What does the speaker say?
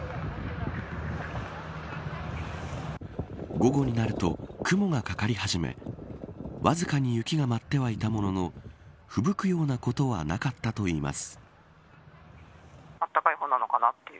午後になると雲が掛かり始めわずかに雪が舞ってはいたもののふぶくようなことはなかったといいます。